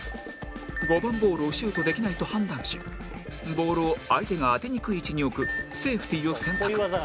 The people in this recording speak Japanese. ５番ボールをシュートできないと判断しボールを相手が当てにくい位置に置くセーフティーを選択